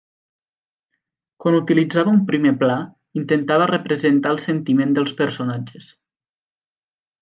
Quan utilitzava un primer pla, intentava representar el sentiment dels personatges.